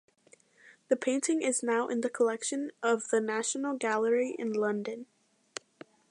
The painting is now in the collection of the National Gallery in London.